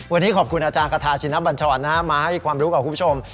วันนี้ขอบคุณอาจารย์กระทาชินบัญชรมาให้ความรู้กับคุณผู้ชม